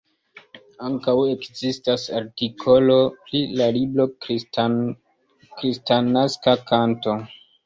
Ankaŭ ekzistas artikolo pri la libro Kristnaska Kanto".